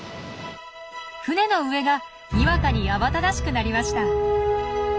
船の上がにわかに慌ただしくなりました。